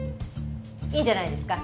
いいんじゃないですか？